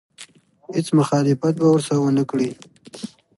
هېڅ مخالفت به ورسره ونه کړي.